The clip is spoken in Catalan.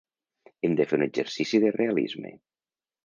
Hem de fer un exercici de realisme.